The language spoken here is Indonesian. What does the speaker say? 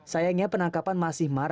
sayangnya penangkapan masih marak